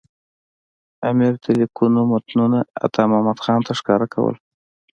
امیر د لیکونو متنونه عطامحمد خان ته ښکاره کول.